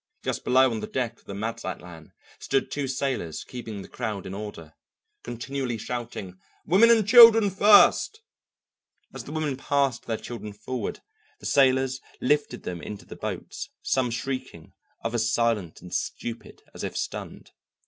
Just below on the deck of the Mazatlan stood two sailors keeping the crowd in order, continually shouting, "Women and children first!" As the women passed their children forward, the sailors lifted them into the boats, some shrieking, others silent and stupid as if stunned.